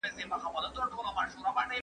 چا خر وي درولی